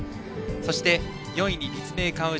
そして、４位に立命館宇治。